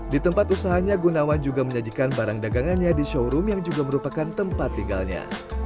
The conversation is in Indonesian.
di tempat usahanya gunawan juga menyajikan barang dagangannya di showroom yang juga merupakan tempat tinggalnya